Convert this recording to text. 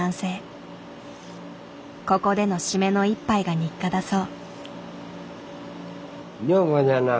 ここでのシメの一杯が日課だそう。